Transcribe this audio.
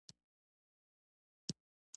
ډېر ځله به مو یوه کلمه اورېدلې او لیدلې وي